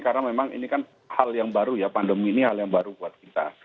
karena memang ini kan hal yang baru ya pandemi ini hal yang baru buat kita